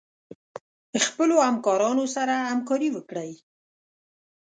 خپلو همکارانو سره همکاري وکړئ.